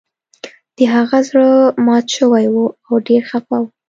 د هغه زړه مات شوی و او ډیر خفه و